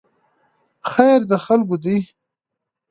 خیر د خلکو دی